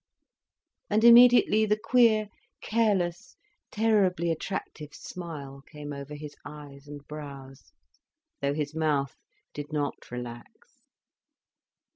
And immediately the queer, careless, terribly attractive smile came over his eyes and brows, though his mouth did not relax.